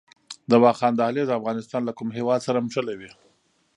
د واخان دهلیز افغانستان له کوم هیواد سره نښلوي؟